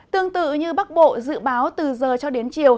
tương tự như bắc bộ dự báo từ giờ cho đến chiều